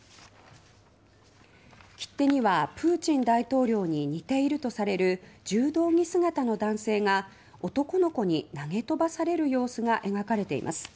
切手にはプーチン大統領に似ているとされる柔道着姿の男性が男の子に投げ飛ばされる様子が描かれています。